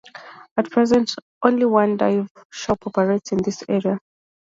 At present, only one dive shop operates in the area.